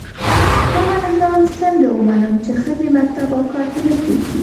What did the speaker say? هغه نظام څنګه ومنم چي ښځي مکتب او کار ته نه پزېږدي